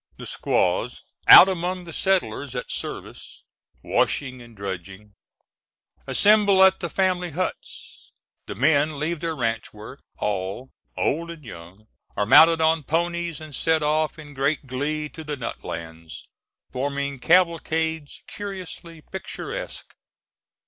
The squaws out among the settlers at service, washing and drudging, assemble at the family huts; the men leave their ranch work; all, old and young, are mounted on ponies, and set off in great glee to the nut lands, forming cavalcades curiously picturesque.